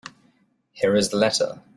Here is the letter.